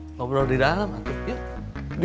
ngobrol di dalam atuh ya